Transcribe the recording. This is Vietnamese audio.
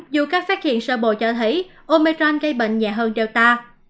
dù các phát hiện sơ bồ cho thấy omicron gây bệnh nhẹ hơn delta